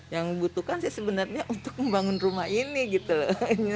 yang butuhkan sih sebenarnya untuk membangun rumah ini gitu loh